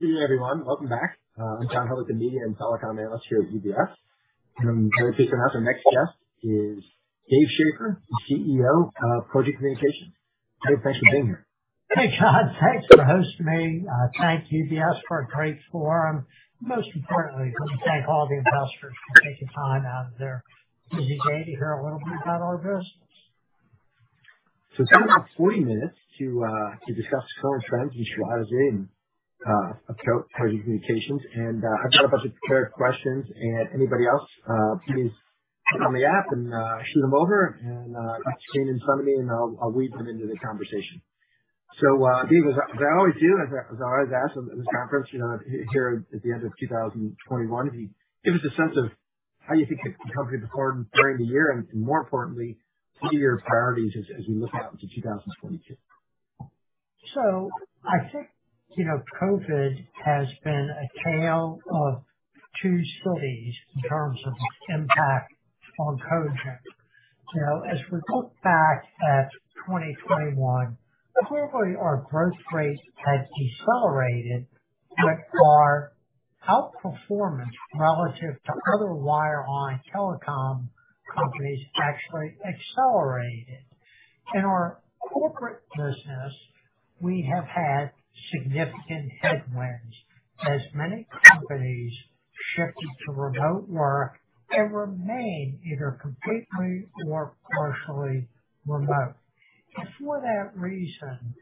Good evening, everyone. Welcome back. I'm John Hodulik, Media and Telecom Analyst here at UBS. I'm very pleased to announce our next guest is Dave Schaeffer, the CEO of Cogent Communications. Dave, thanks for being here. Hey, John. Thanks for hosting me. Thank UBS for a great forum. Most importantly, let me thank all the investors for taking time out of their busy day to hear a little bit about our business. We've got about 40 minutes to discuss current trends and strategy and of Cogent Communications. I've got a bunch of prepared questions and anybody else please get on the app and shoot them over to me, and I'll weave them into the conversation. Dave, as I always do, as I always ask at this conference, you know, here at the end of 2021, give us a sense of how you think the company performed during the year, and more importantly, what are your priorities as we look out into 2022. I think, you know, COVID has been a tale of two cities in terms of impact on Cogent. You know, as we look back at 2021, hopefully our growth rate has decelerated, but our outperformance relative to other wireline telecom companies actually accelerated. In our corporate business, we have had significant headwinds as many companies shifted to remote work and remain either completely or partially remote. It's for that reason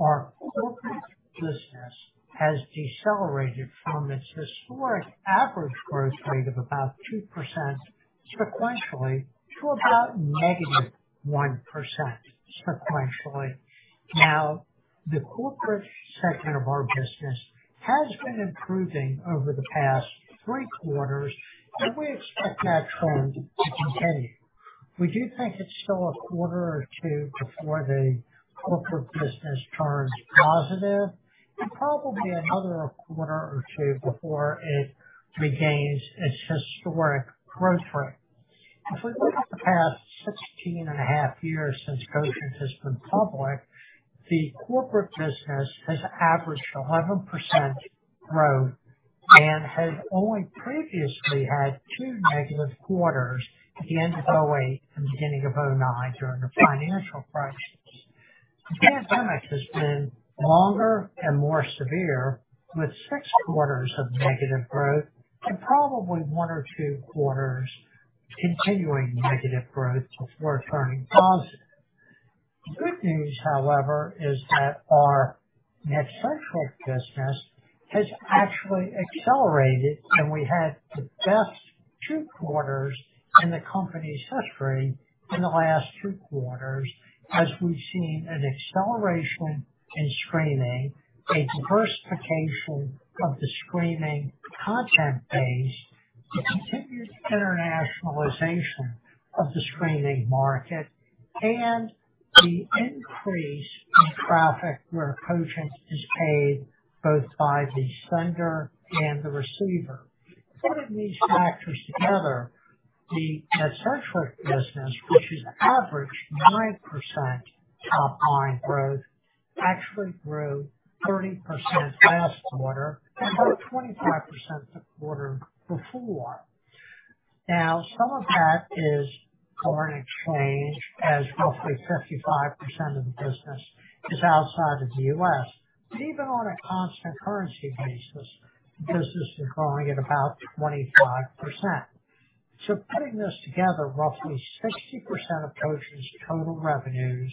our corporate business has decelerated from its historic average growth rate of about 2% sequentially to about -1% sequentially. Now, the corporate sector of our business has been improving over the past three quarters, and we expect that trend to continue. We do think it's still a quarter or two before the corporate business turns positive and probably another quarter or two before it regains its historic growth rate. If we look at the past 16.5 years since Cogent has been public, the corporate business has averaged 11% growth and has only previously had two negative quarters at the end of 2008 and beginning of 2009 during the financial crisis. The pandemic has been longer and more severe, with six quarters of negative growth and probably one or two quarters continuing negative growth before turning positive. The good news, however, is that our NetCentric business has actually accelerated, and we had the best two quarters in the company's history in the last two quarters, as we've seen an acceleration in streaming, a diversification of the streaming content base, the continued internationalization of the streaming market, and the increase in traffic where Cogent is paid both by the sender and the receiver. Putting these factors together, the NetCentric business, which has averaged 9% top-line growth, actually grew 30% last quarter and grew 25% the quarter before. Now, some of that is foreign exchange, as roughly 55% of the business is outside of the U.S. Even on a constant currency basis, the business is growing at about 25%. Putting this together, roughly 60% of Cogent's total revenues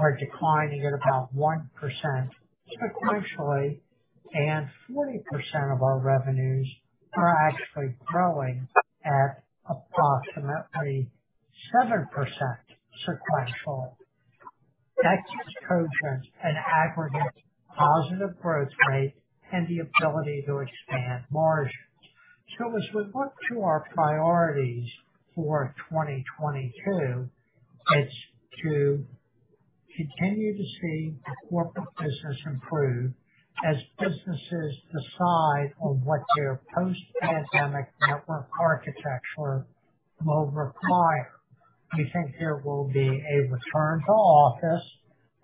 are declining at about 1% sequentially, and 40% of our revenues are actually growing at approximately 7% sequential. That gives Cogent an aggregate positive growth rate and the ability to expand margins. As we look to our priorities for 2022, it's to continue to see the corporate business improve as businesses decide on what their post-pandemic network architecture will require. We think there will be a return to office,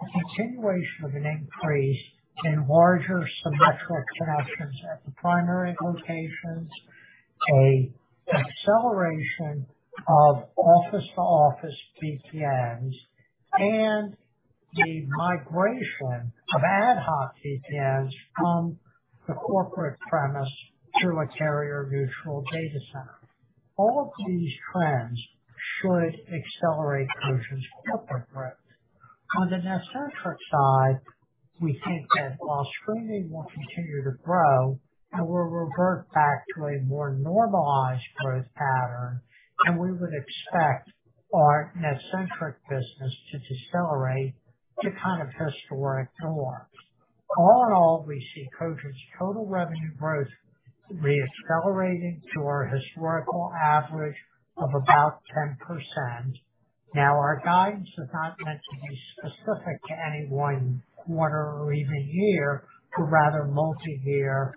a continuation of an increase in larger symmetrical connections at the primary locations, a acceleration of office to office VPNs, and the migration of ad hoc VPNs from the corporate premise to a carrier neutral data center. All of these trends should accelerate Cogent's corporate growth. On the NetCentric side, we think that while streaming will continue to grow and will revert back to a more normalized growth pattern, and we would expect our NetCentric business to decelerate to kind of historic norms. All in all, we see Cogent's total revenue growth re-accelerating to our historical average of about 10%. Now, our guidance is not meant to be specific to any one quarter or even year, but rather multi-year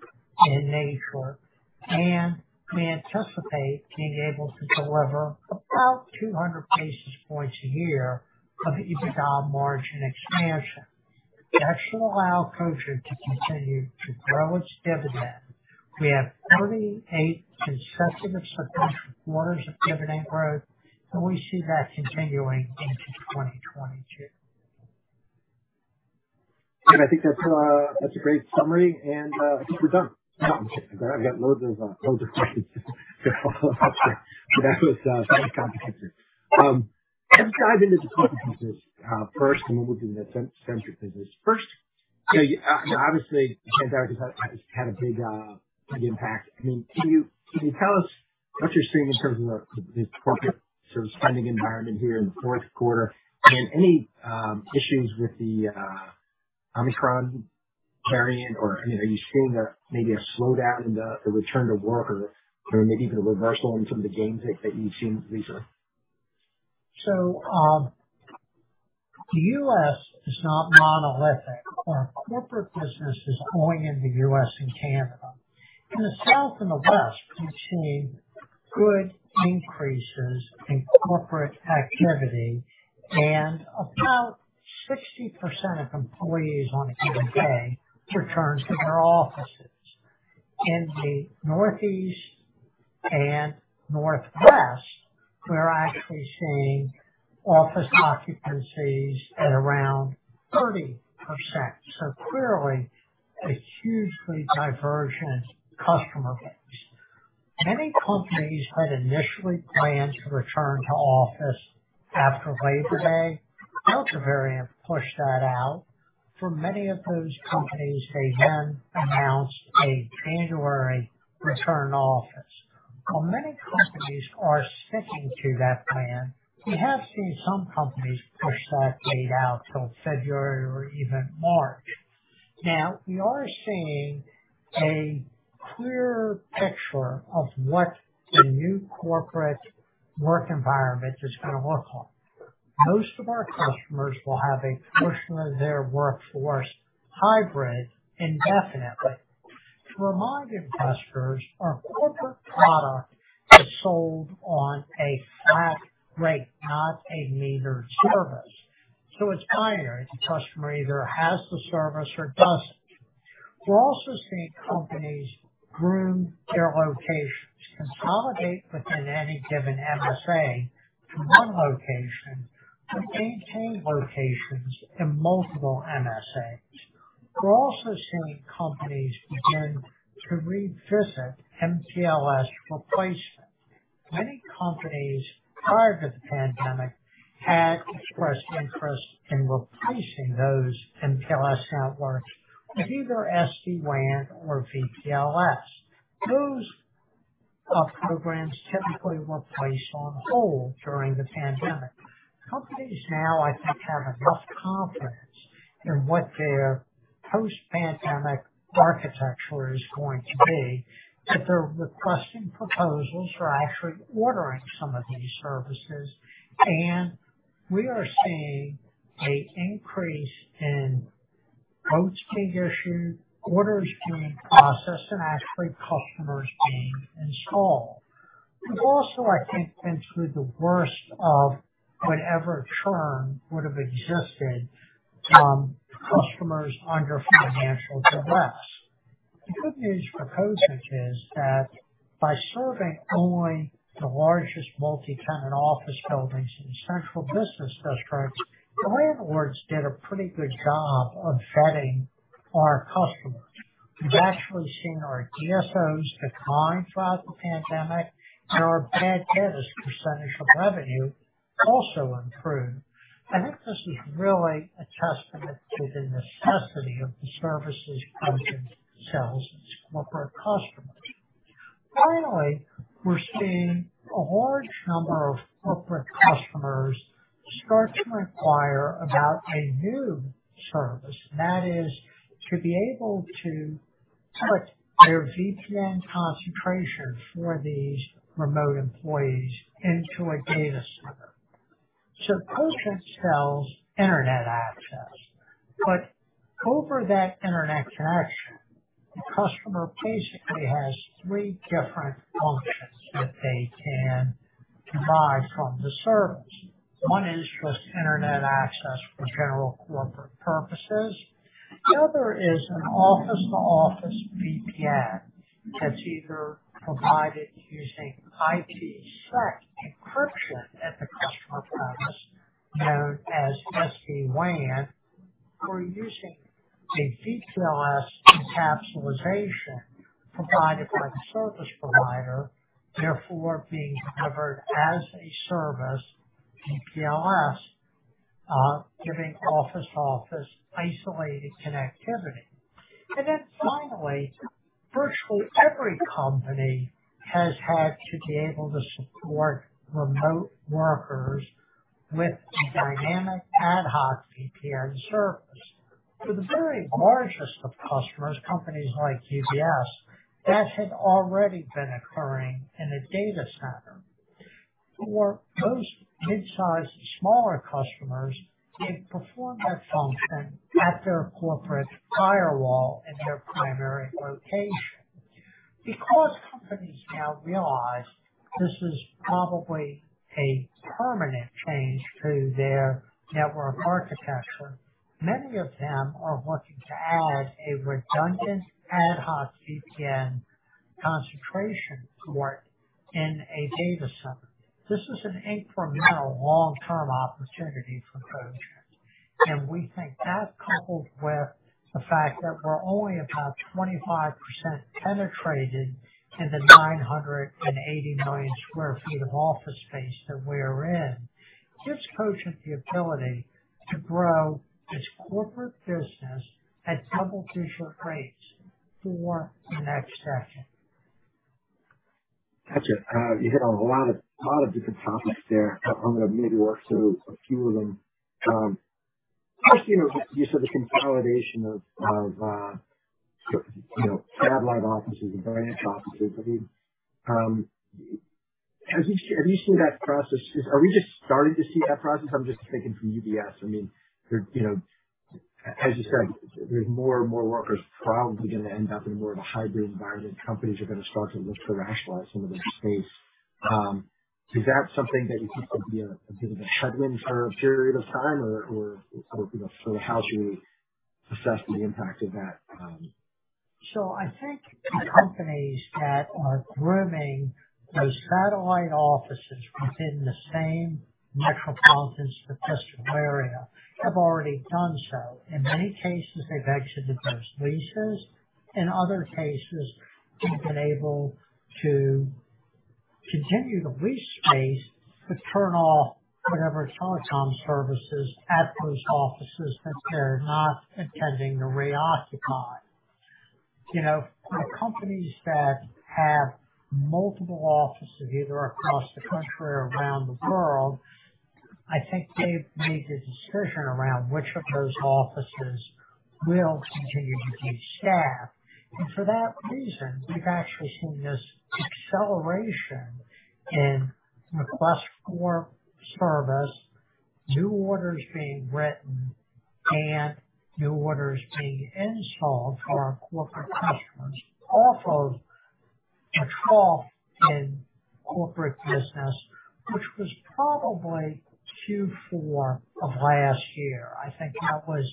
in nature. We anticipate being able to deliver about 200 basis points a year of EBITDA margin expansion. That should allow Cogent to continue to grow its dividend. We have 38 consecutive sequential quarters of dividend growth, and we see that continuing into 2022. I think that's a great summary, and I think we're done. No, I'm kidding. I've got loads of questions to follow up. That was corporate. Let's dive into the corporate business first, and then we'll do the NetCentric business. First, you know, obviously, the pandemic has had a big impact. I mean, can you tell us what you're seeing in terms of the corporate sort of spending environment here in the fourth quarter? And any issues with the Omicron variant or, I mean, are you seeing maybe a slowdown in the return to work or maybe even a reversal in some of the gains that you've seen recently? The U.S. is not monolithic. Our corporate business is only in the U.S. and Canada. In the South and the West, we've seen good increases in corporate activity and about 60% of employees on a given day returns to their offices. In the Northeast and Northwest, we're actually seeing office occupancies at around 30%. Clearly a hugely divergent customer base. Many companies had initially planned to return to office after Labor Day. Delta variant pushed that out. For many of those companies, they then announced a January return to office. While many companies are sticking to that plan, we have seen some companies push that date out till February or even March. Now, we are seeing a clearer picture of what the new corporate work environment is gonna look like. Most of our customers will have a portion of their workforce hybrid indefinitely. To remind investors, our corporate product is sold on a flat rate, not a metered service. So it's binary. The customer either has the service or doesn't. We're also seeing companies groom their locations, consolidate within any given MSA to one location, but maintain locations in multiple MSAs. We're also seeing companies begin to revisit MPLS replacement. Many companies prior to the pandemic had expressed interest in replacing those MPLS networks with either SD-WAN or VPLS. Those programs typically were placed on hold during the pandemic. Companies now I think have enough confidence in what their post-pandemic architecture is going to be, that they're requesting proposals for actually ordering some of these services. We are seeing a increase in quotes being issued, orders being processed, and actually customers being installed. We've also, I think, been through the worst of whatever churn would have existed from customers under financial duress. The good news for Cogent is that by serving only the largest multi-tenant office buildings in central business districts, the landlords did a pretty good job of vetting our customers. We've actually seen our DSOs decline throughout the pandemic, and our bad debt as percentage of revenue also improved. I think this is really a testament to the necessity of the services Cogent sells its corporate customers. Finally, we're seeing a large number of corporate customers start to inquire about a new service, and that is to be able to put their VPN concentration for these remote employees into a data center. Cogent sells internet access, but over that internet connection, the customer basically has three different functions that they can buy from the service. One is just internet access for general corporate purposes. The other is an office-to-office VPN that's either provided using IPsec encryption at the customer premise, known as SD-WAN, or using a VPLS encapsulation provided by the service provider, therefore being delivered as-a-service VPLS, giving office-to-office isolated connectivity. Then finally, virtually every company has had to be able to support remote workers with a dynamic ad hoc VPN service. For the very largest of customers, companies like UBS, that had already been occurring in a data center. For those mid-sized to smaller customers, they perform that function at their corporate firewall in their primary location. Because companies now realize this is probably a permanent change to their network architecture, many of them are looking to add a redundant ad hoc VPN concentration port in a data center. This is an incredible long-term opportunity for Cogent, and we think that, coupled with the fact that we're only about 25% penetrated in the 980 million sq ft of office space that we're in, gives Cogent the ability to grow its corporate business at double-digit rates for the next decade. Got you. You hit on a lot of different topics there. I'm gonna maybe work through a few of them. First, you know, you said the consolidation of satellite offices and branch offices. I mean, have you seen that process? Are we just starting to see that process? I'm just thinking from UBS. I mean, you know, as you said, there's more and more workers probably gonna end up in more of a hybrid environment. Companies are gonna start to look to rationalize some of their space. Is that something that you think will be a bit of a headwind for a period of time or, you know, sort of how should we assess the impact of that? I think the companies that are trimming those satellite offices within the same metropolitan statistical area have already done so. In many cases, they've exited those leases. In other cases, they've been able to continue to lease space, but turn off whatever telecom services at those offices that they're not intending to reoccupy. You know, the companies that have multiple offices, either across the country or around the world, I think they've made the decision around which of those offices will continue to be staffed. For that reason, we've actually seen this acceleration in request for service, new orders being written and new orders being installed for our corporate customers off of a trough in corporate business, which was probably Q4 of last year. I think that was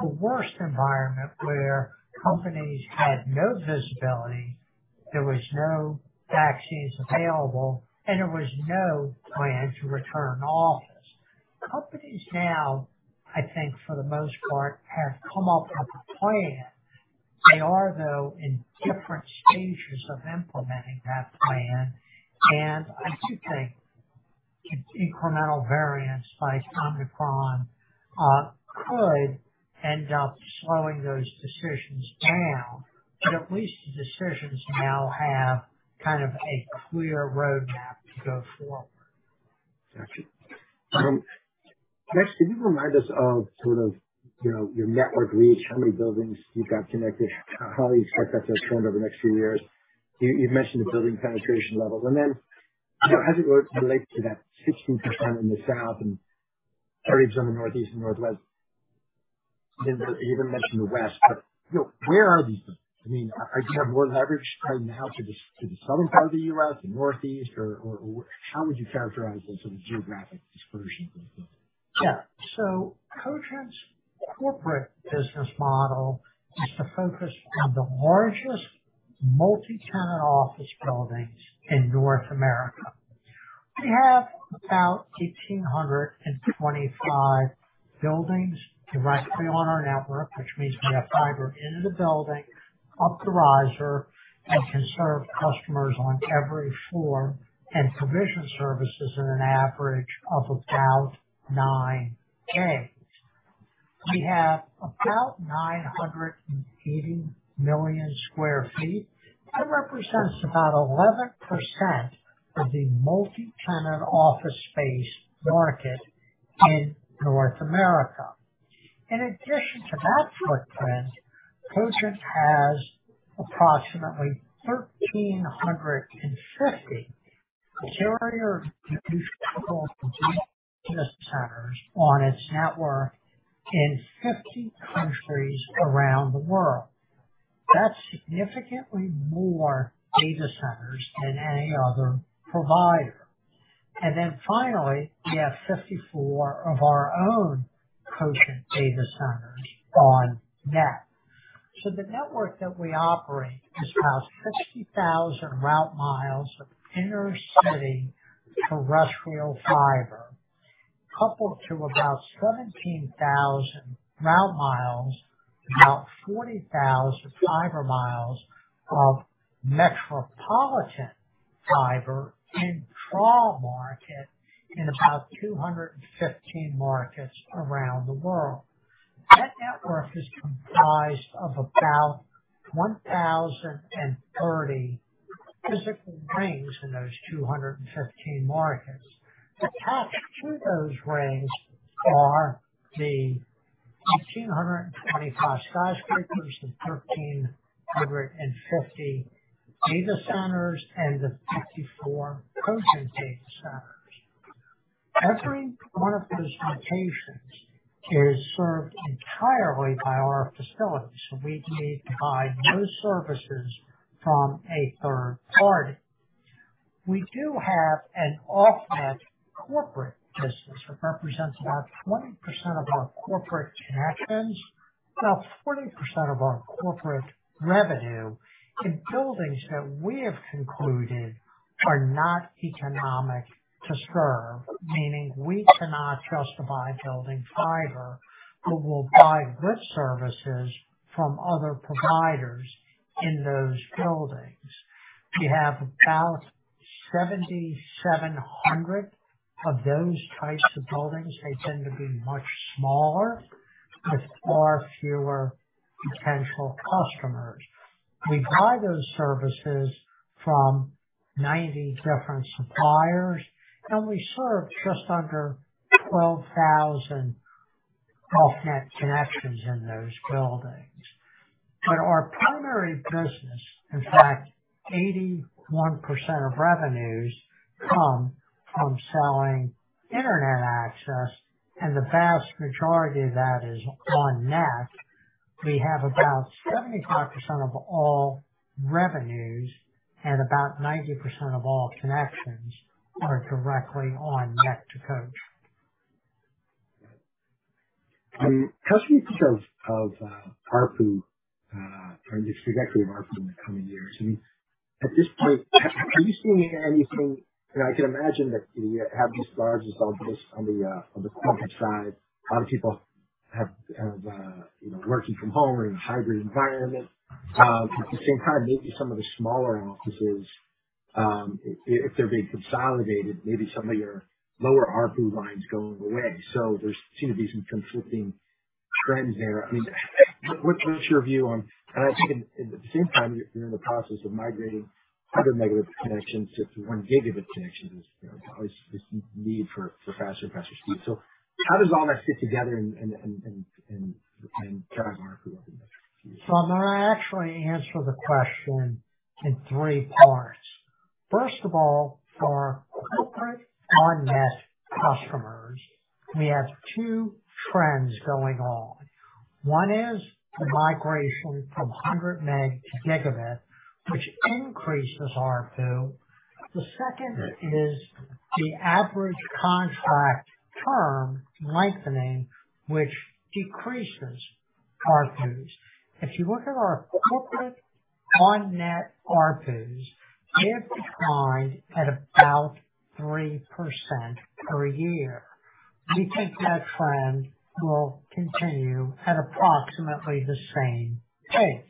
the worst environment where companies had no visibility, there was no vaccines available, and there was no plan to return to office. Companies now, I think for the most part, have come up with a plan. They are, though, in different stages of implementing that plan, and I do think incremental variants like Omicron could end up slowing those decisions down, but at least the decisions now have kind of a clear roadmap to go forward. Got you. Next, can you remind us of sort of, you know, your network reach, how many buildings you've got connected, how you expect that to trend over the next few years? You've mentioned the building penetration levels, and then, you know, as it relates to that 16% in the South and average on the Northeast and Northwest, then you even mentioned the West. You know, where are these buildings? I mean, do you have more leverage right now to the southern part of the U.S., the Northeast or how would you characterize the sort of geographic dispersion of these buildings? Yeah. Cogent's corporate business model is to focus on the largest multi-tenant office buildings in North America. We have about 1,825 buildings directly on our network, which means we have fiber in the building, up the riser, and can serve customers on every floor and provision services in an average of about 9 Gb. We have about 980 million sq ft. That represents about 11% of the multi-tenant office space market in North America. In addition to that footprint, Cogent has approximately 1,350 carrier neutral colocation data centers on its network in 50 countries around the world. That's significantly more data centers than any other provider. Finally, we have 54 of our own Cogent data centers on-net. The network that we operate is about 60,000 route miles of inter-city terrestrial fiber, coupled to about 17,000 route miles, about 40,000 fiber miles of metropolitan fiber and wholesale market in about 215 markets around the world. That network is comprised of about 1,030 physical rings in those 215 markets. Attached to those rings are the 1,825 skyscrapers, the 1,350 data centers, and the 54 Cogent data centers. One of those locations is served entirely by our facility, so we need to buy no services from a third party. We do have an off-net corporate business, which represents about 20% of our corporate connections, about 40% of our corporate revenue in buildings that we have concluded are not economic to serve, meaning we cannot justify building fiber, but we'll buy WISP services from other providers in those buildings. We have about 7,700 of those types of buildings. They tend to be much smaller with far fewer potential customers. We buy those services from 90 different suppliers, and we serve just under 12,000 off-net connections in those buildings. Our primary business, in fact, 81% of revenues come from selling internet access, and the vast majority of that is on-net. We have about 75% of all revenues and about 90% of all connections are directly on-net. How should we think of ARPU or the trajectory of ARPU in the coming years? I mean, at this point, are you seeing anything? You know, I can imagine that you have these large resellers on the corporate side. A lot of people have you know working from home or in a hybrid environment. At the same time, maybe some of the smaller offices, if they're being consolidated, maybe some of your lower ARPU lines going away. There seem to be some conflicting trends there. I mean, what's your view on and I think at the same time, you're in the process of migrating other legacy connections to 1 Gb connections. There's always this need for faster and faster speed. How does all that fit together and drive ARPU over the next few years? I'm going to actually answer the question in three parts. First of all, for corporate on-net customers, we have two trends going on. One is the migration from 100 Mb to gigabit, which increases ARPU. The second is the average contract term lengthening, which decreases ARPUs. If you look at our corporate on-net ARPUs, they have declined at about 3% per year. We think that trend will continue at approximately the same pace.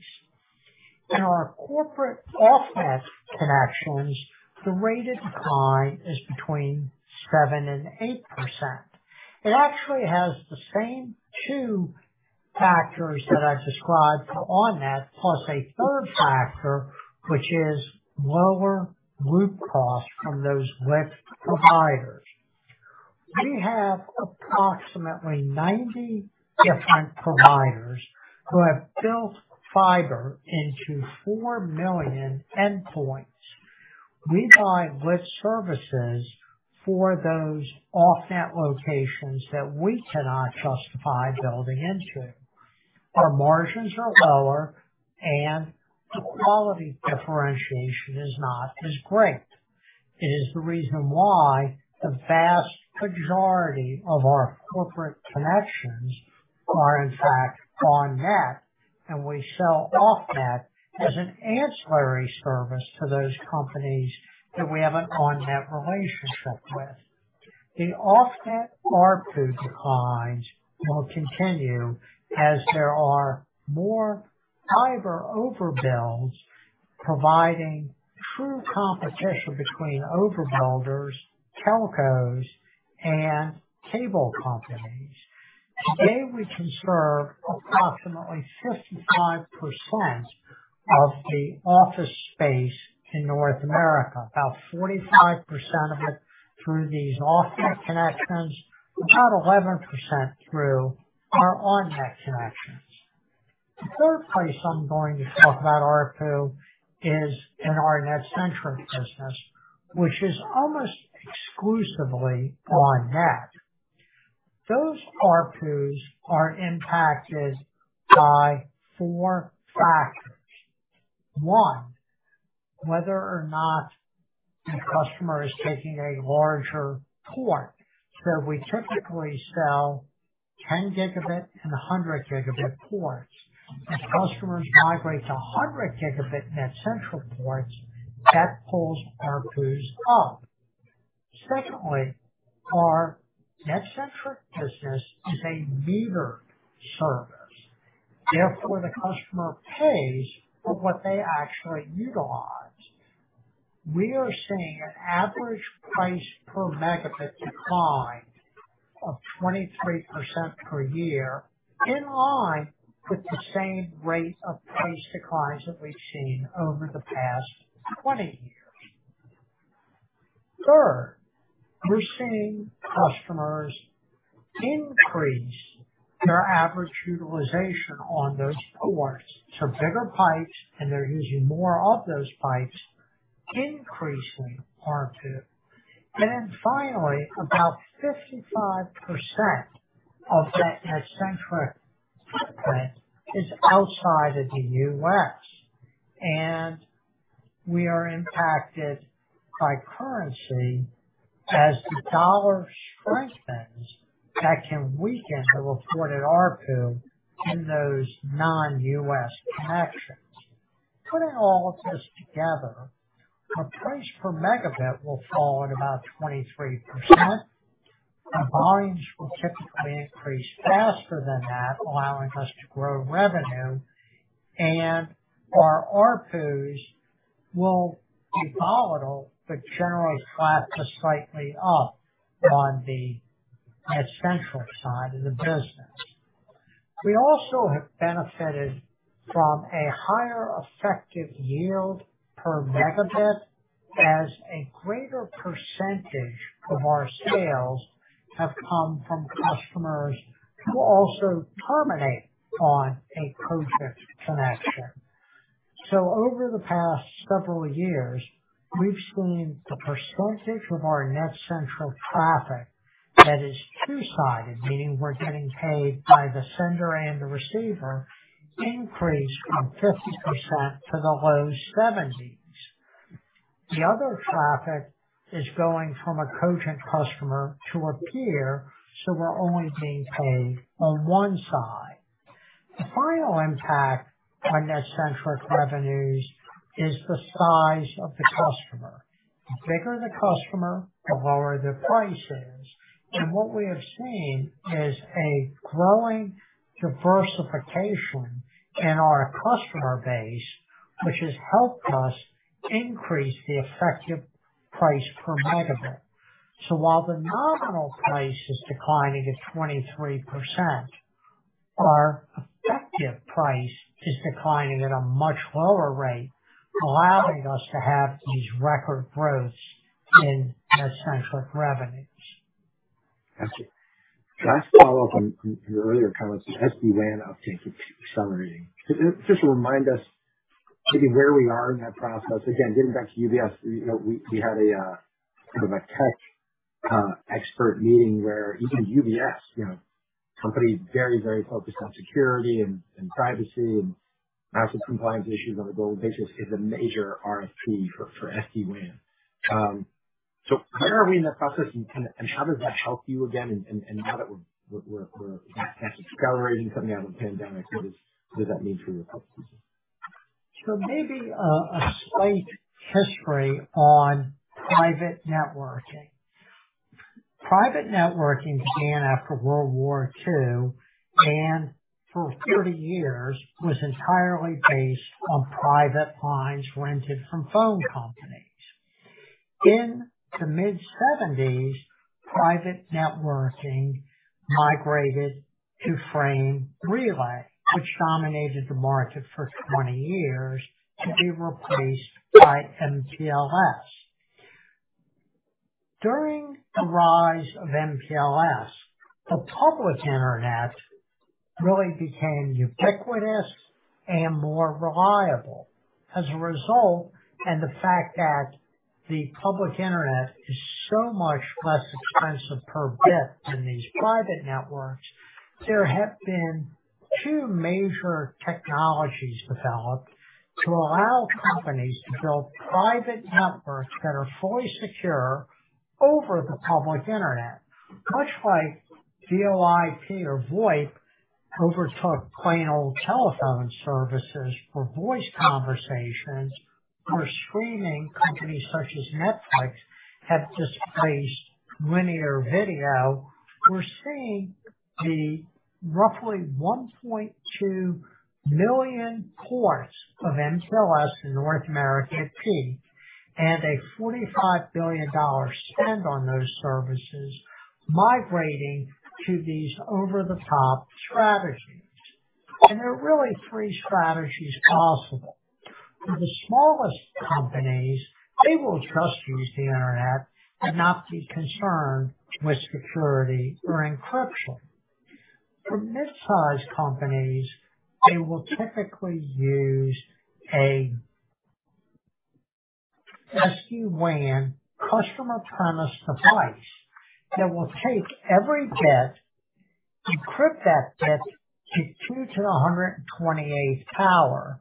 In our corporate off-net connections, the rate of decline is between 7% and 8%. It actually has the same two factors that I described for on-net, plus a third factor, which is lower loop costs from those WISP providers. We have approximately 90 different providers who have built fiber into 4 million endpoints. We buy WISP services for those off-net locations that we cannot justify building into. Our margins are lower, and the quality differentiation is not as great. It is the reason why the vast majority of our corporate connections are in fact on-net, and we sell off-net as an ancillary service to those companies that we have an on-net relationship with. The off-net ARPU declines will continue as there are more fiber overbuilds providing true competition between overbuilders, telcos, and cable companies. Today, we can serve approximately 55% of the office space in North America. About 45% of it through these off-net connections, about 11% through our on-net connections. The third place I'm going to talk about ARPU is in our NetCentric business, which is almost exclusively on-net. Those ARPUs are impacted by four factors. One, whether or not the customer is taking a larger port. So we typically sell 10 Gb and 100 Gb ports. If the customer migrates to 100 Gb NetCentral ports, that pulls ARPUs up. Secondly, our NetCentric business is a metered service. Therefore, the customer pays for what they actually utilize. We are seeing an average price per megabit decline of 23% per year, in line with the same rate of price declines that we've seen over the past 20 years. Third, we're seeing customers increase their average utilization on those ports. So bigger pipes, and they're using more of those pipes, increasing ARPU. And then finally, about 55% of that NetCentric footprint is outside of the U.S., and we are impacted by currency as the dollar strengthens, that can weaken the reported ARPU in those non-U.S. connections. Putting all of this together, our price per megabit will fall at about 23%. Our volumes will typically increase faster than that, allowing us to grow revenue, and our ARPUs will be volatile, but generally flat to slightly up on the NetCentric side of the business. We also have benefited from a higher effective yield per megabit as a greater percentage of our sales have come from customers who also terminate on a Cogent connection. Over the past several years, we've seen the percentage of our NetCentric traffic that is two-sided, meaning we're getting paid by the sender and the receiver, increase from 50% to the low 70s%. The other traffic is going from a Cogent customer to a peer, so we're only being paid on one side. The final impact on NetCentric revenues is the size of the customer. The bigger the customer, the lower the price is. What we have seen is a growing diversification in our customer base, which has helped us increase the effective price per megabit. While the nominal price is declining at 23%, our effective price is declining at a much lower rate, allowing us to have these record growths in NetCentric revenues. Got you. Last follow-up on, from your earlier comments is SD-WAN uptake. You summarized it. Just remind us, maybe where we are in that process. Again, getting back to UBS, you know, we had a kind of a tech expert meeting where even UBS, you know, company very, very focused on security and privacy and massive compliance issues on a global basis, is a major RFP for SD-WAN. So where are we in that process and how does that help you again, and now that we're kind of recovering, coming out of the pandemic, what does that mean for your customers? Maybe a slight history on private networking. Private networking began after World War II, and for 30 years was entirely based on private lines rented from phone companies. In the mid-1970s, private networking migrated to Frame Relay, which dominated the market for 20 years to be replaced by MPLS. During the rise of MPLS, the public internet really became ubiquitous and more reliable. As a result, and the fact that the public internet is so much less expensive per bit than these private networks, there have been two major technologies developed to allow companies to build private networks that are fully secure over the public internet. Much like VoIP overtook plain old telephone services for voice conversations, where streaming companies such as Netflix have displaced linear video, we're seeing the roughly 1.2 million ports of MPLS in North America at peak and a $45 billion spend on those services migrating to these over-the-top strategies. There are really three strategies possible. For the smallest companies, they will just use the internet and not be concerned with security or encryption. For mid-size companies, they will typically use a SD-WAN customer premise device that will take every bit, encrypt that bit to 2 to the 128th power,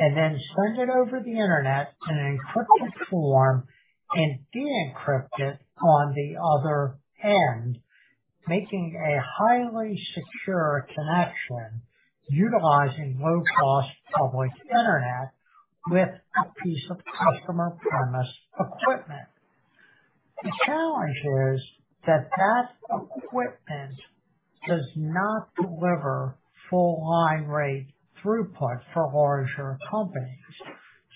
and then send it over the internet in an encrypted form and decrypt it on the other end, making a highly secure connection utilizing low cost public internet with a piece of customer premise equipment. The challenge is that equipment does not deliver full line rate throughput for larger companies.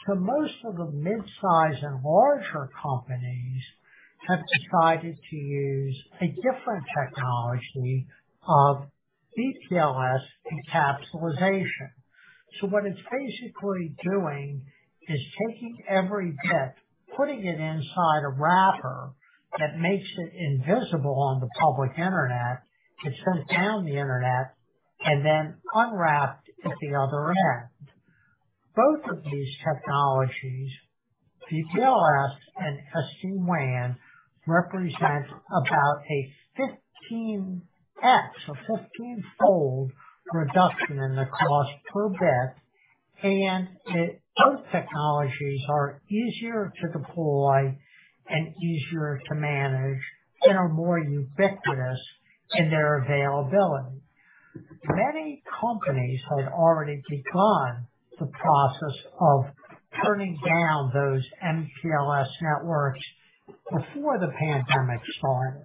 Most of the mid-size and larger companies have decided to use a different technology of VPLS encapsulation. What it's basically doing is taking every bit, putting it inside a wrapper that makes it invisible on the public Internet. It's sent down the Internet and then unwrapped at the other end. Both of these technologies, VPLS and SD-WAN, represent about a 15x or 15-fold reduction in the cost per bit, and both technologies are easier to deploy and easier to manage and are more ubiquitous in their availability. Many companies had already begun the process of turning down those MPLS networks before the pandemic started.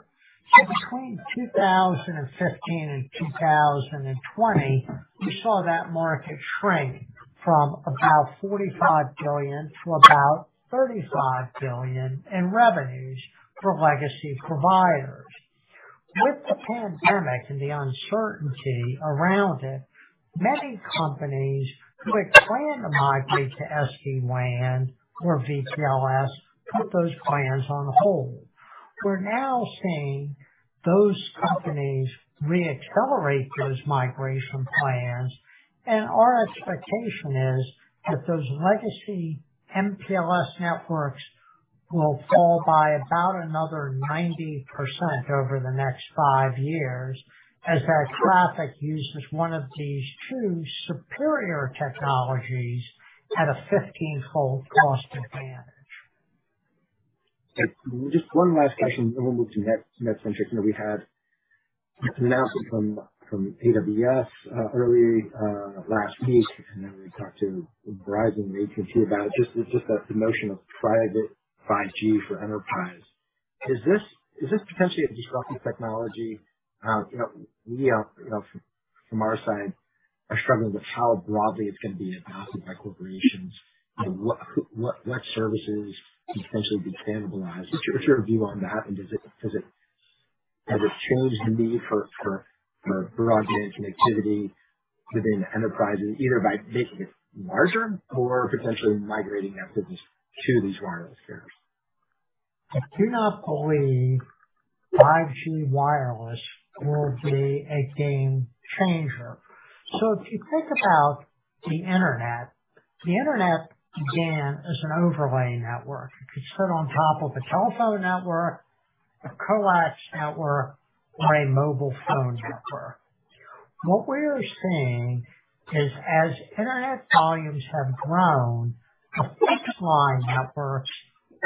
Between 2015 and 2020, you saw that market shrink from about $45 billion to about $35 billion in revenues for legacy providers. With the pandemic and the uncertainty around it, many companies who had planned to migrate to SD-WAN or VPLS put those plans on hold. We're now seeing those companies reaccelerate those migration plans, and our expectation is that those legacy MPLS networks will fall by about another 90% over the next five years as that traffic uses one of these two superior technologies at a 15-fold cost advantage. Just one last question, then we'll move to next one, which is we had an announcement from AWS early last week, and then we talked to Verizon and AT&T about it. Just the notion of private 5G for enterprise. Is this potentially a disruptive technology? You know, we are from our side struggling with how broadly it's gonna be adopted by corporations. You know, what services can potentially be cannibalized. What's your view on that? Has it changed the need for broadband connectivity within enterprises, either by making it larger or potentially migrating applications to these wireless carriers? I do not believe 5G wireless will be a game changer. If you think about the Internet, the Internet began as an overlay network. It could sit on top of a telephone network, a coax network, or a mobile phone network. What we are seeing is as Internet volumes have grown, the fixed line networks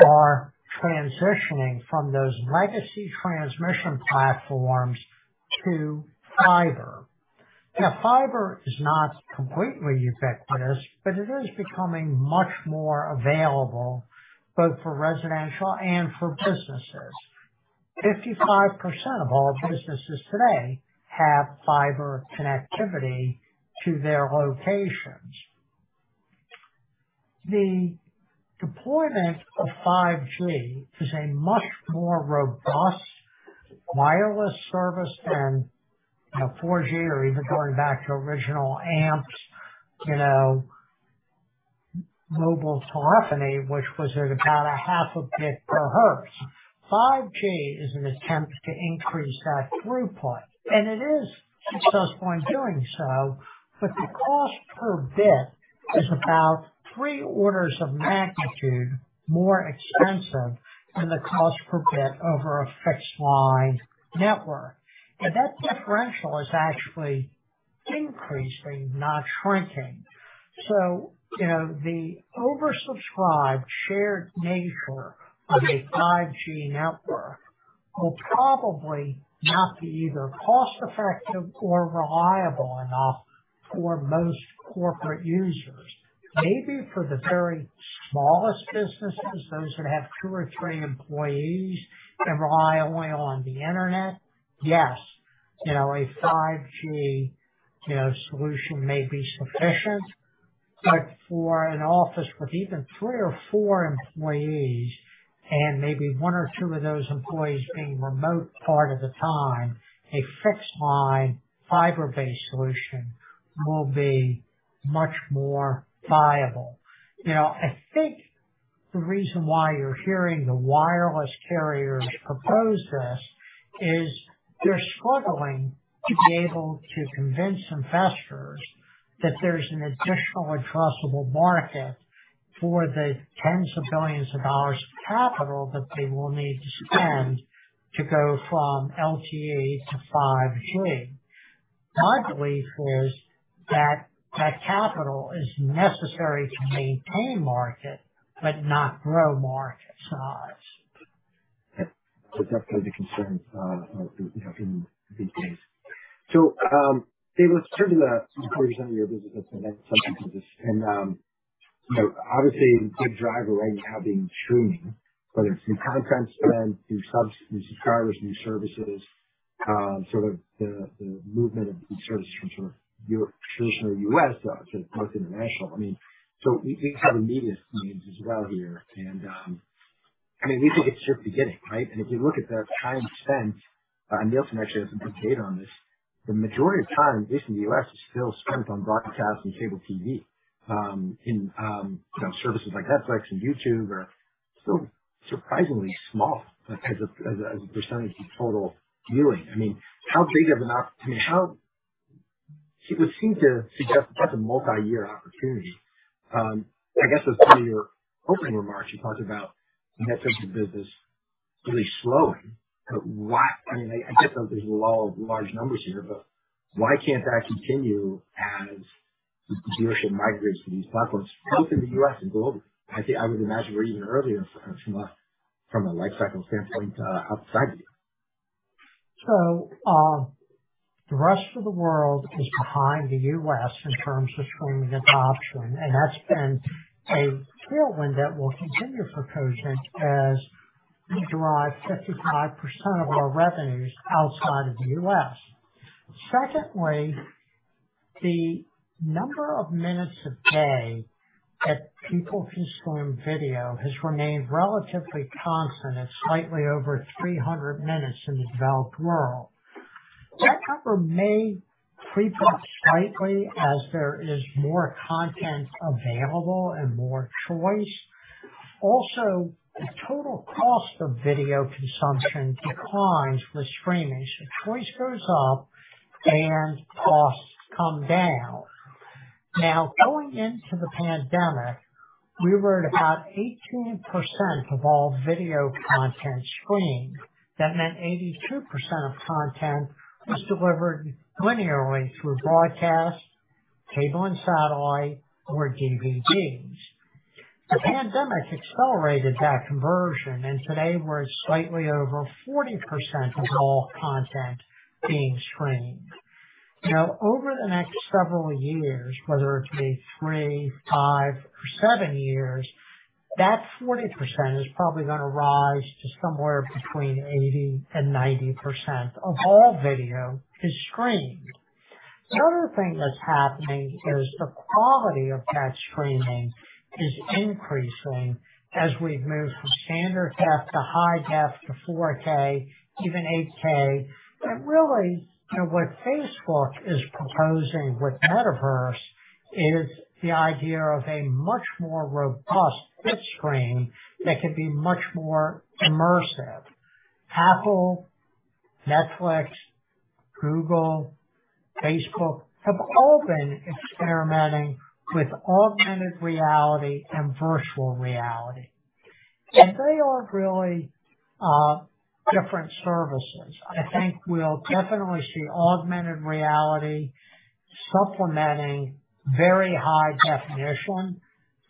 are transitioning from those legacy transmission platforms to fiber. Now, fiber is not completely ubiquitous, but it is becoming much more available both for residential and for businesses. 55% of all businesses today have fiber connectivity to their locations. The deployment of 5G is a much more robust wireless service than, you know, 4G or even going back to original AMPS, you know, mobile telephony, which was at about 0.5 bit per hertz. 5G is an attempt to increase that throughput, and it is successful in doing so, but the cost per bit is about three orders of magnitude more expensive than the cost per bit over a fixed line network. That differential is actually increasing, not shrinking. You know, the oversubscribed shared nature of a 5G network will probably not be either cost-effective or reliable enough for most corporate users. Maybe for the very smallest businesses, those that have two or three employees that rely only on the Internet, yes, you know, a 5G, you know, solution may be sufficient. For an office with even three or four employees and maybe one or two of those employees being remote part of the time, a fixed line fiber-based solution will be much more viable. You know, I think the reason why you're hearing the wireless carriers propose this is they're struggling to be able to convince investors that there's an additional addressable market for the tens of billions of dollars of capital that they will need to spend to go from LTE to 5G. My belief is that that capital is necessary to maintain market, but not grow market size. That's probably the concern, you know, in these days. Dave, certainly a pretty significant portion of your business and I'd like to touch on this. You know, obviously the big driver right now being streaming, whether it's new content spend, new subs, new subscribers, new services, sort of the movement of these services from sort of traditionally U.S. to more international. I mean, so we have a media team as well here. I mean, we think it's just beginning, right? If you look at the time spent, and Nielsen actually has some good data on this, the majority of time, at least in the U.S., is still spent on broadcast and cable TV. You know, services like Netflix and YouTube are still surprisingly small as a percentage of total viewing. It would seem to suggest that's a multi-year opportunity. I guess as part of your opening remarks, you talked about the Netflix business really slowing. Why, I mean, I get that there's law of large numbers here, but why can't that continue as viewership migrates to these platforms both in the U.S. and globally? I would imagine we're even earlier from a lifecycle standpoint outside of the U.S. The rest of the world is behind the U.S. in terms of streaming adoption, and that's been a tailwind that will continue for Cogent as we derive 55% of our revenues outside of the U.S. Secondly, the number of minutes a day that people consume video has remained relatively constant at slightly over 300 minutes in the developed world. That number may creep up slightly as there is more content available and more choice. Also, the total cost of video consumption declines with streaming. Choice goes up and costs come down. Now, going into the pandemic, we were at about 18% of all video content streamed. That meant 82% of content was delivered linearly through broadcast, cable and satellite or DVDs. The pandemic accelerated that conversion, and today we're at slightly over 40% of all content being streamed. Now, over the next several years, whether it be three, five or seven years, that 40% is probably gonna rise to somewhere between 80% and 90% of all video is streamed. The other thing that's happening is the quality of that streaming is increasing as we've moved from standard def to high def to 4K, even 8K. Really, you know, what Facebook is proposing with Metaverse is the idea of a much more robust fifth screen that can be much more immersive. Apple, Netflix, Google, Facebook have all been experimenting with augmented reality and virtual reality, and they aren't really different services. I think we'll definitely see augmented reality supplementing very high definition,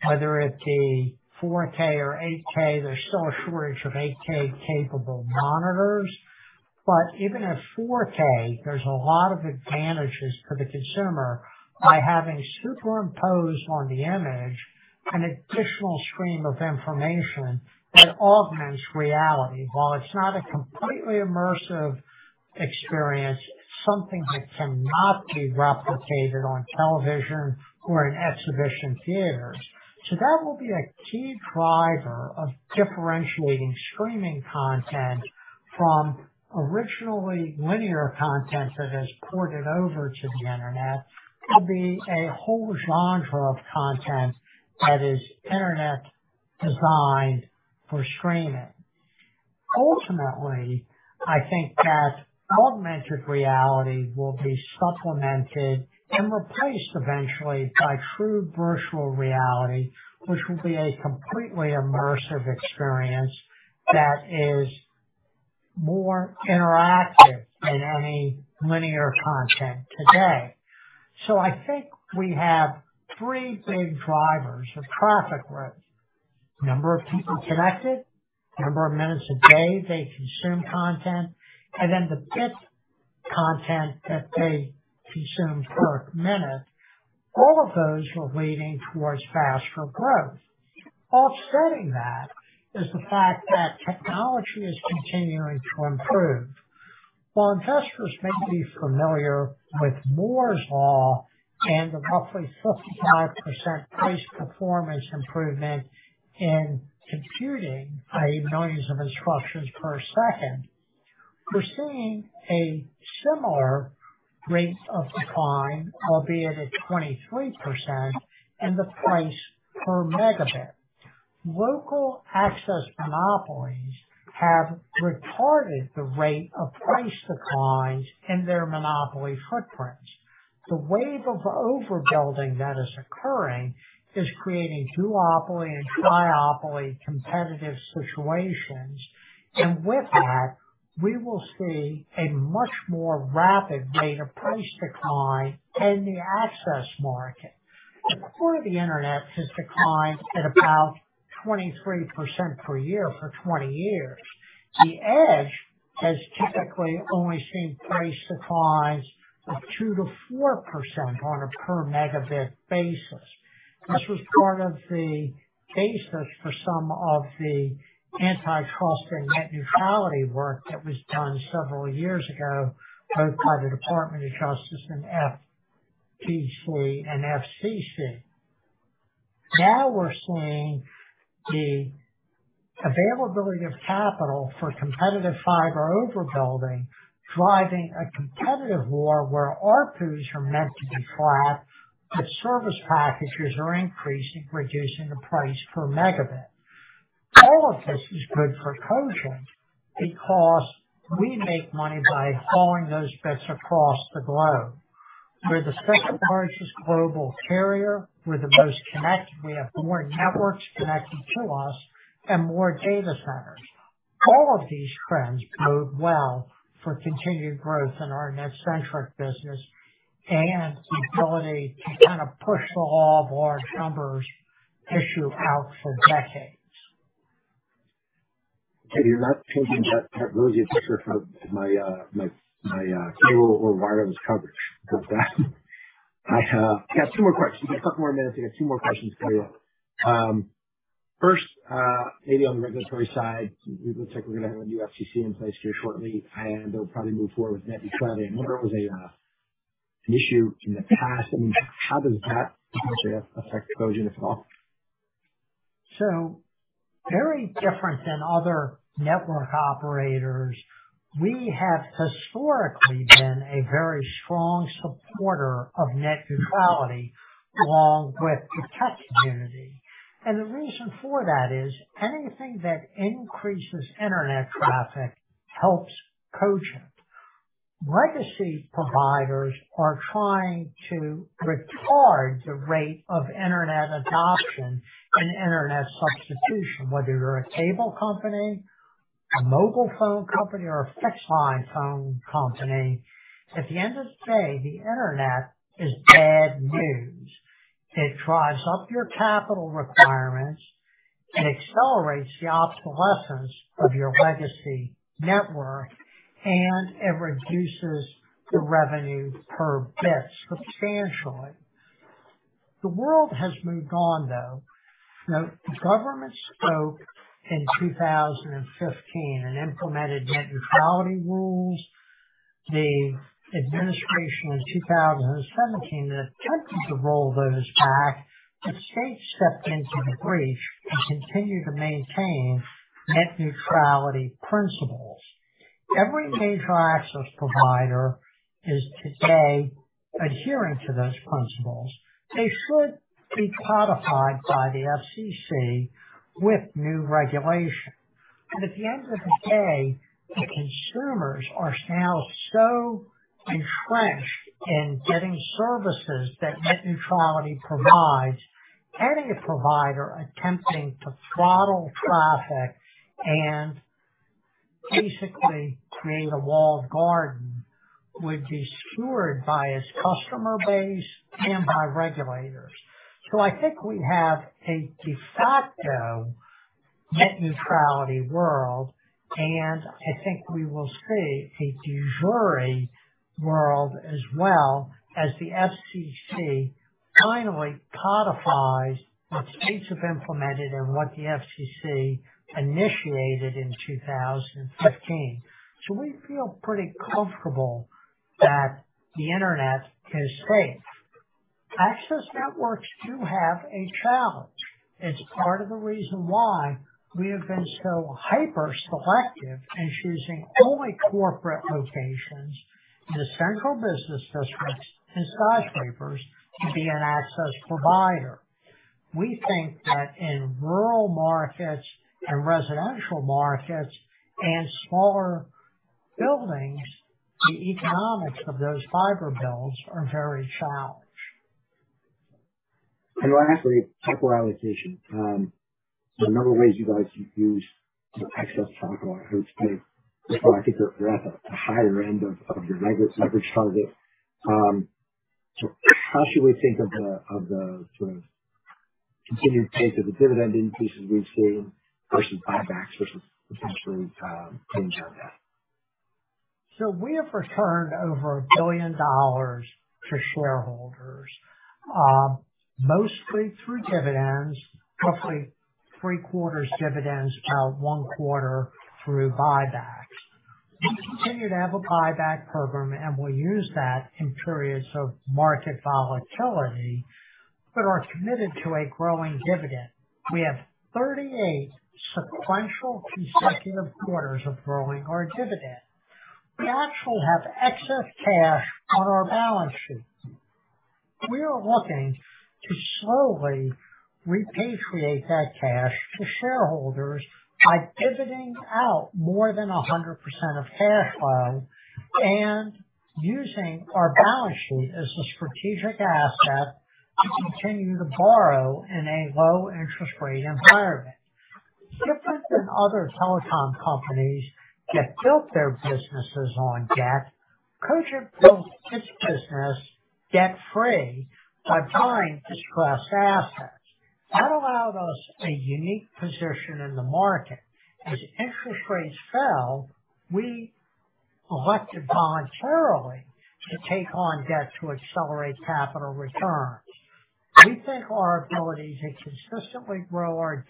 whether it be 4K or 8K. There's still a shortage of 8K capable monitors. Even at 4K, there's a lot of advantages for the consumer by having superimposed on the image an additional stream of information that augments reality. While it's not a completely immersive experience, it's something that cannot be replicated on television or in exhibition theaters. That will be a key driver of differentiating streaming content from originally linear content that has ported over to the Internet to be a whole genre of content that is Internet designed for streaming. Ultimately, I think that augmented reality will be supplemented and replaced eventually by true virtual reality, which will be a completely immersive experience that is more interactive than any linear content today. I think we have three big drivers of traffic growth. Number of people connected, number of minutes a day they consume content, and then the bit content that they consume per minute. All of those are leading towards faster growth. Offsetting that is the fact that technology is continuing to improve. While investors may be familiar with Moore's Law and the roughly 55% price performance improvement in computing, i.e. millions of instructions per second, we're seeing a similar rate of decline, albeit at 23% in the price per megabit. Local access monopolies have retarded the rate of price declines in their monopoly footprints. The wave of overbuilding that is occurring is creating duopoly and triopoly competitive situations, and with that, we will see a much more rapid rate of price decline in the access market. The core of the Internet has declined at about 23% per year for 20 years. The edge has typically only seen price declines of 2%-4% on a per megabit basis. This was part of the basis for some of the antitrust and net neutrality work that was done several years ago, both by the Department of Justice and FTC, PUC and FCC. Now we're seeing the availability of capital for competitive fiber overbuilding, driving a competitive war where ARPUs are meant to be flat, but service packages are increasing, reducing the price per megabit. All of this is good for Cogent because we make money by hauling those bits across the globe. We're the second largest global carrier. We're the most connected. We have more networks connected to us and more data centers. All of these trends bode well for continued growth in our NetCentric business and the ability to kind of push the law of large numbers issue out for decades. Okay. You're not changing that really good picture of my cable or wireless coverage with that. I have two more questions. A couple more minutes. I got two more questions for you. First, maybe on the regulatory side, it looks like we're gonna have a new FCC in place here shortly, and they'll probably move forward with net neutrality. I know it was an issue in the past. I mean, how does that potentially affect Cogent at all? Very different than other network operators, we have historically been a very strong supporter of net neutrality along with the tech community. The reason for that is anything that increases Internet traffic helps Cogent. Legacy providers are trying to retard the rate of Internet adoption and Internet substitution, whether you're a cable company, a mobile phone company, or a fixed line phone company. At the end of the day, the Internet is bad news. It drives up your capital requirements, it accelerates the obsolescence of your legacy network, and it reduces the revenue per bit substantially. The world has moved on, though. You know, the government spoke in 2015 and implemented net neutrality rules. The administration in 2017 attempted to roll those back, but states stepped into the breach and continue to maintain net neutrality principles. Every major access provider is today adhering to those principles. They should be codified by the FCC with new regulation. At the end of the day, the consumers are now so entrenched in getting services that net neutrality provides, any provider attempting to throttle traffic and basically create a walled garden would be skewered by its customer base and by regulators. I think we have a de facto net neutrality world, and I think we will see a de jure world as well as the FCC finally codifies what states have implemented and what the FCC initiated in 2015. We feel pretty comfortable that the internet is safe. Access networks do have a challenge. It's part of the reason why we have been so hyper selective in choosing only corporate locations in the central business districts and skyscrapers to be an access provider. We think that in rural markets and residential markets and smaller buildings, the economics of those fiber builds are very challenged. Last, capital allocation. So a number of ways you guys use excess capital, I would say. I think you're at a higher end of your leverage target. So how should we think of the sort of continued pace of the dividend increases we've seen versus buybacks versus potentially things like that? We have returned over $1 billion to shareholders, mostly through dividends, roughly three-quarters dividends, about one-quarter through buybacks. We continue to have a buyback program, and we use that in periods of market volatility, but are committed to a growing dividend. We have 38 sequential consecutive quarters of growing our dividend. We actually have excess cash on our balance sheet. We are looking to slowly repatriate that cash to shareholders by pivoting out more than 100% of cash flow and using our balance sheet as a strategic asset to continue to borrow in a low-interest-rate environment. Different than other telecom companies that built their businesses on debt, Cogent built its business debt-free by buying distressed assets. That allowed us a unique position in the market. As interest rates fell, we elected voluntarily to take on debt to accelerate capital returns. We think our ability to consistently grow our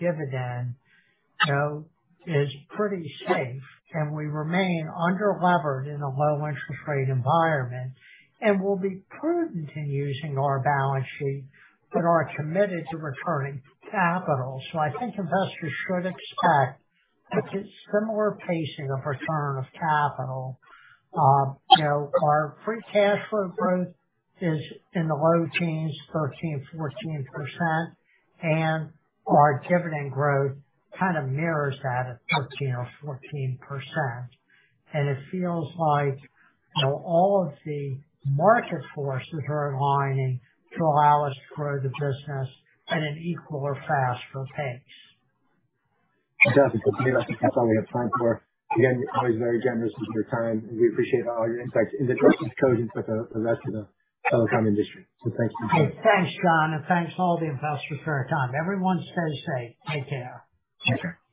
dividend, you know, is pretty safe, and we remain underlevered in a low interest rate environment and will be prudent in using our balance sheet but are committed to returning capital. I think investors should expect a similar pacing of return of capital. You know, our free cash flow growth is in the low teens, 13%, 14%, and our dividend growth kind of mirrors that at 13% or 14%. It feels like, you know, all of the market forces are aligning to allow us to grow the business at an equal or faster pace. Fantastic. Dave, I think that's all we have time for. Again, you're always very generous with your time. We appreciate all your insights into Cogent, but the rest of the telecom industry. Thanks again. Thanks, John, and thanks to all the investors for their time. Everyone stay safe. Take care. Sure.